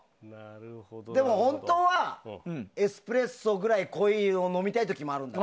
でも、本当はエスプレッソぐらい濃いのを飲みたい時もある。